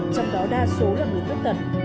trong đó đa số là người khuyết tật